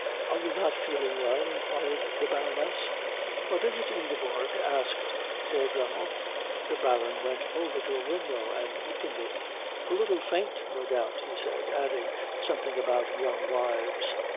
"Are you not feeling well?" inquired the Baroness. "What is it, Ingeborg?" asked Herr Dremmel. The Baron went over to a window and opened it. "A little faint, no doubt," he said, adding something about young wives.